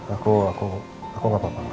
aku aku aku gak apa apa ma